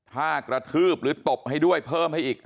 ถ้ากระทืบหรือตบให้ด้วยเพิ่มให้อีก